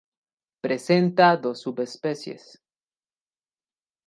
Presenta dos subespecies.